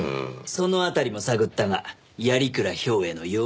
その辺りも探ったが鑓鞍兵衛の要望だったらしい。